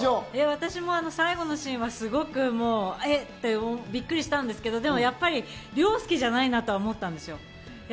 私も最後のシーンはすごく「え？」ってびっくりしたんですけど、凌介じゃないなとは思ったんです。